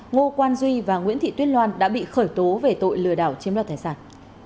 ngô quan duy và nguyễn thị tuyết loan đã bị khởi tố về tội lừa đảo chiếm đoạt tài sản